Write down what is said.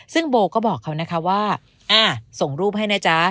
ซึ่งโบก็บอกเขานะคะว่าส่งรูปให้นะจ๊ะ